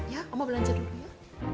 ya kamu belanja dulu ya